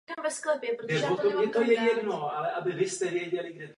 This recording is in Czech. Na jejím území se dnes rozkládá centrální část prefektury Čiba.